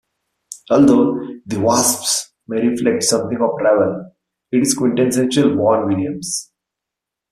Although "The Wasps" may reflect something of Ravel, it is quintessential Vaughan Williams.